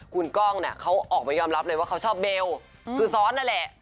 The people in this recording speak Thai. คุณกล้องเนี่ยเขาออกมายอมรับเลยว่าเขาชอบเบลคือซ้อนนั่นแหละ